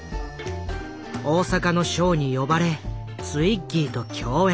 大阪のショーに呼ばれツイッギーと共演。